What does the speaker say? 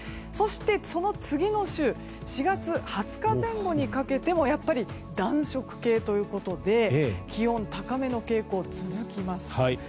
そして、その次の週４月２０日前後にかけてもやっぱり暖色系ということで気温高めの傾向が続きます。